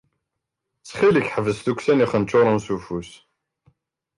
Ttxil-k ḥbes tukksa n ixenčuren s ufus!